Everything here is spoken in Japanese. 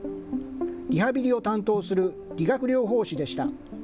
リハビリを担当する理学療法士でした。